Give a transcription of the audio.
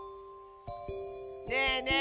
ねえねえ